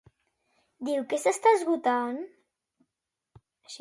Diu que s'està esgotant?